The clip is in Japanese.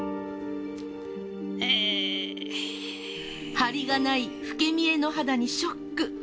ハリがない老け見えの肌にショック。